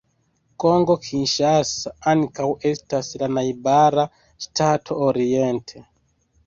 Kongo Kinŝasa ankaŭ estas la najbara ŝtato oriente.